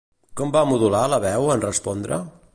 Com va modular la veu en respondre?